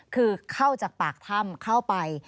คือเข้าจากปากถ้ำเข้าไป